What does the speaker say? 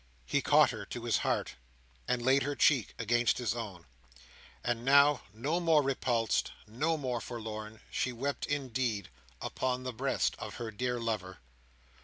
He caught her to his heart, and laid her cheek against his own, and now, no more repulsed, no more forlorn, she wept indeed, upon the breast of her dear lover.